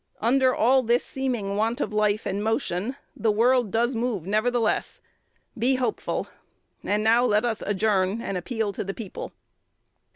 Under all this seeming want of life and motion, the world does move nevertheless. Be hopeful. And now let us adjourn, and appeal to the people.'